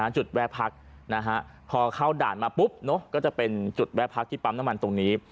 แวะพักพอเข้าด่านมาปุ๊บก็จะเป็นจุดแวะพักที่ปั๊มน้ำมันตรงนี้